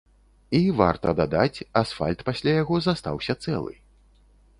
І, варта дадаць, асфальт пасля яго застаўся цэлы.